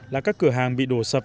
là các cửa hàng bị đổ sập